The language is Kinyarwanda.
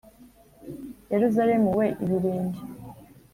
Yerusalemu we ibirenge